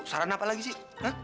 saran apa lagi sih